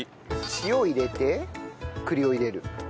塩入れて栗を入れる。